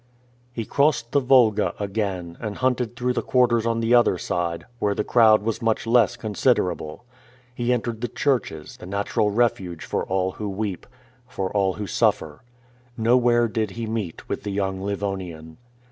He crossed the Volga again and hunted through the quarters on the other side, where the crowd was much less considerable. He entered the churches, the natural refuge for all who weep, for all who suffer. Nowhere did he meet with the young Livonian.